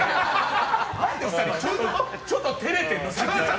何で２人ちょっと照れてるの。